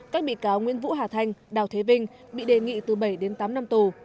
các bị cáo nguyễn vũ hà thanh đào thế vinh bị đề nghị từ bảy đến tám năm tù